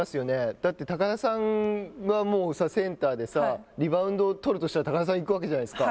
だって高田さんがセンターでリバウンドを取るとしたら高田さんに行くわけじゃないですか。